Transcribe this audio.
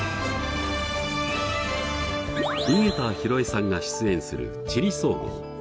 井桁弘恵さんが出演する「地理総合」。